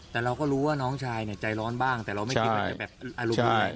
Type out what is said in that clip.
แต่เราก็รู้ว่าน้องชายเนี่ยใจร้อนบ้างแต่เราไม่คิดว่าจะแบบอารมณ์